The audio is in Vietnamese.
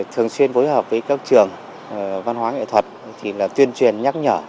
thường xuyên phối hợp với các trường văn hóa nghệ thuật thì là tuyên truyền nhắc nhở